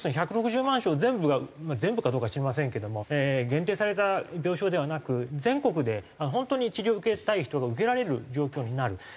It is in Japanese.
１６０万床全部がまあ全部かどうかは知りませんけども限定された病床ではなく全国で本当に治療を受けたい人が受けられる状況になる。